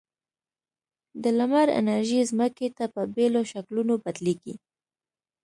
د لمر انرژي ځمکې ته په بېلو شکلونو بدلیږي.